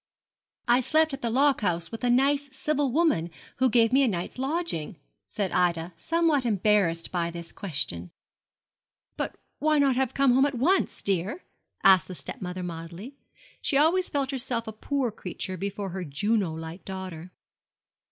'I slept at the lock house with a nice civil woman, who gave me a night's lodging,' said Ida, somewhat embarrassed by this question. 'But why not have come home at once, dear?' asked the step mother mildly. She always felt herself a poor creature before her Juno like daughter.